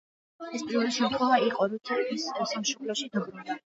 ეს პირველი შემთხვევა იყო, როცა ის სამშობლოში დაბრუნდა.